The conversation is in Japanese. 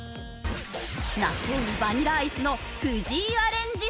納豆にバニラアイスの藤井アレンジスイーツ。